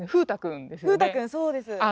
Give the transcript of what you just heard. そうですね。